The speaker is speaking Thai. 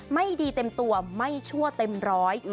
ไม่ดีเต็มตัวไม่ชั่วเต็มร้อย